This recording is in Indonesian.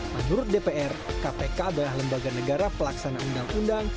menurut dpr kpk adalah lembaga negara pelaksana undang undang